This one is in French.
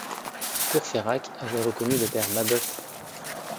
Courfeyrac avait reconnu le père Mabeuf.